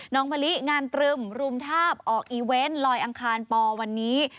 มะลิงานตรึมรุมทาบออกอีเวนต์ลอยอังคารปอวันนี้